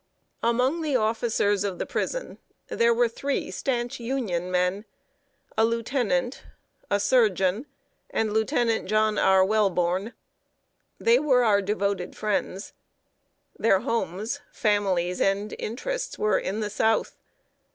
Among the officers of the prison, were three stanch Union men a lieutenant, a surgeon, and Lieutenant John R. Welborn. They were our devoted friends. Their homes, families, and interests, were in the South.